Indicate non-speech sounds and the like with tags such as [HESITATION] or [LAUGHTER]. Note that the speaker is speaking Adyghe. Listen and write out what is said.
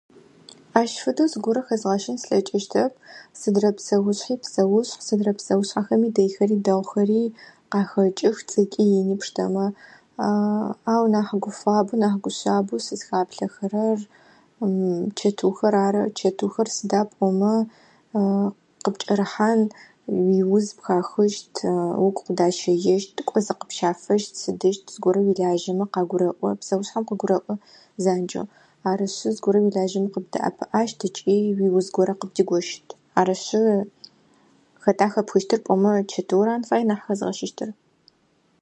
Ащ фэдэу зыгорэ хэзгъэщын слъэкӏыщтэп, сыдрэ псэушъхьи псэушъхь, сыдрэ псэушъхьахэми дэихэри дэгъухэри къахэкӏых, цӏыкӏи ини пштэмэ. [HESITATION] Ау нахь гуфабэу, нахь гушъабэу сызхаплъэхэрэр [HESITATION] чэтыухэр ары. Чэтыухэр сыда пӏомэ [HESITATION] къыпкӏэрыхьыан уиуз пхахыщт угу къыдащэещт кӏо зыкъыпщафэщт сыдыщт, зыгорэ уилажьэмэ къагурэӏо, псэушъхьэм къыгурэӏо занкӏэу. Арышъы зыгорэ уилажьэмэ къыбдэӏэпыӏащт ыкӏи уиуз горэ къыбдигощыт арышъы хэта хэпхыщтыр пӏомэ чэтыур арын фай нахь хэзгъэщыщтыр.